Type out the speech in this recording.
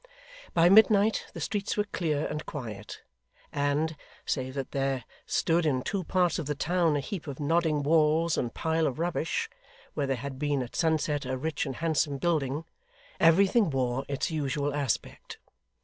By midnight, the streets were clear and quiet, and, save that there stood in two parts of the town a heap of nodding walls and pile of rubbish, where there had been at sunset a rich and handsome building, everything wore its usual aspect.